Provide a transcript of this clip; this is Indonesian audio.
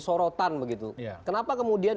sorotan begitu kenapa kemudian